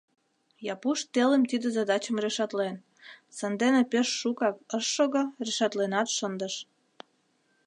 Япуш телым тиде задачым решатлен, сандене пеш шукак ыш шого, решатленат шындыш...